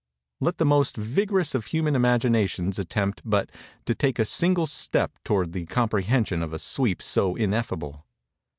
Let the most vigorous of human imaginations attempt but to take a single step towards the comprehension of a sweep so ineffable!